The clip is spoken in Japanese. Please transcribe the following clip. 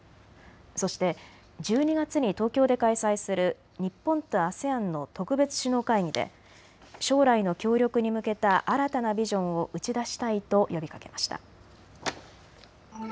そして１２月に東京で開催する日本とＡＳＥＡＮの特別首脳会議で将来の協力に向けた新たなビジョンを打ち出したいと呼びかけました。